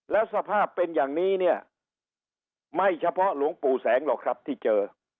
แล้วสภาพเป็นอย่างนี้เนี่ยไม่เฉพาะหลวงปู่แสงหรอกครับที่เจอ